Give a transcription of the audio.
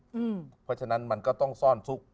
เพราะฉะนั้นมันก็ต้องซ่อนทุกข์